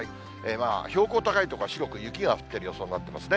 標高高い所は白く雪が降っている予想になっていますね。